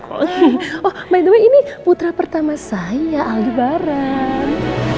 oh ini adalah putra pertama saya al gibaran